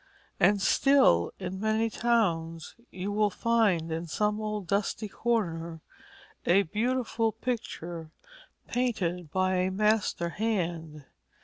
And still in many towns you will find in some old dusty corner a beautiful picture, painted by a master hand.